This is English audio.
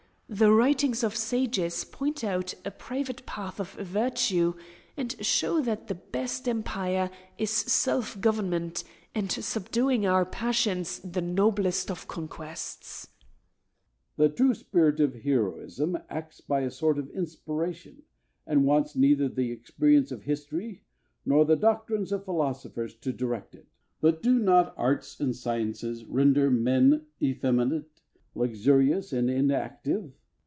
The writings of sages point out a private path of virtue, and show that the best empire is self government, and subduing our passions the noblest of conquests. Hercules. The true spirit of heroism acts by a sort of inspiration, and wants neither the experience of history nor the doctrines of philosophers to direct it. But do not arts and sciences render men effeminate, luxurious, and inactive?